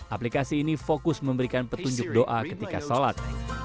aplikasi ini fokus memberikan petunjuk doa ketika sholat